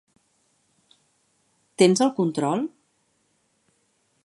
Tens el control?